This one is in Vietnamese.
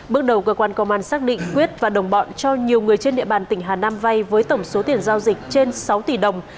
bước đầu cơ quan công an xác định quyết và đồng bọn cho nhiều người trên địa bàn tỉnh hà nam vay với tổng số tiền giao dịch trên sáu tỷ đồng